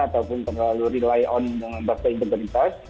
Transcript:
ataupun terlalu rely on dengan fakta integritas